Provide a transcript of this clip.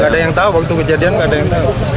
gak ada yang tahu waktu kejadian nggak ada yang tahu